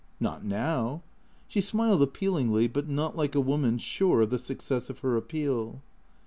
" Not now." She smiled appealingly, but not like a woman sure of the success of her appeal.